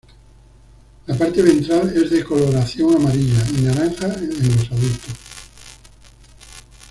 La parte ventral es de coloración amarilla y naranja en los adultos.